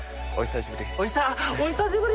お久しぶり。